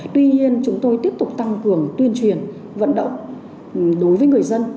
tuy nhiên chúng tôi tiếp tục tăng cường tuyên truyền vận động đối với người dân